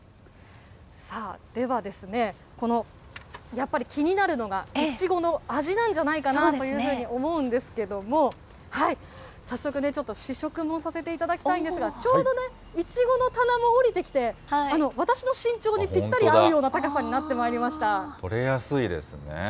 さあ、ではですね、このやっぱり気になるのが、いちごの味なんじゃないかなというふうに思うんですけれども、早速ね、ちょっと試食もさせていただきたいんですが、ちょうどいちごの棚も下りてきて、私の身長にぴったり合うような高さになってまいりました。